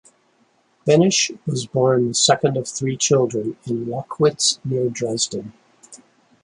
Behnisch was born the second of three children, in Lockwitz near Dresden.